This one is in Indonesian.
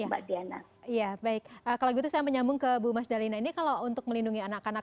mbak diana ya baik kalau gitu saya menyambung ke bu mas dalina ini kalau untuk melindungi anak anak